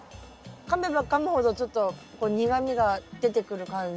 かめばかむほどちょっと苦みが出てくる感じ？